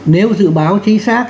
nếu dự báo chính xác